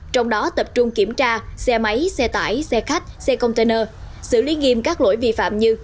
trong đó tập trung kiểm tra xe máy xe tải xe khách xe container xử lý nghiêm các lỗi vi phạm như